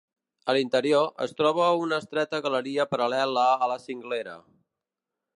A l'interior, es troba una estreta galeria paral·lela a la cinglera.